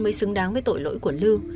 mới xứng đáng với tội lỗi của lưu